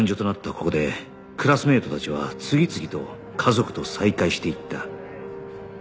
ここでクラスメートたちは次々と家族と再会していった